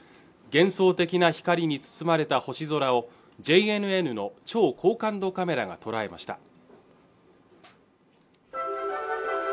幻想的な光に包まれた星空をＪＮＮの超高感度カメラが捉えました